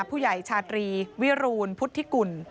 ผู้ใหญ่ชาตรีวิรูณพุทธิกุล